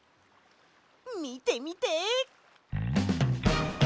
みてみて！